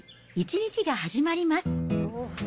１日が始まります。